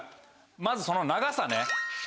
まずその長さね。